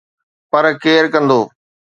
پر ڪير ڪندو؟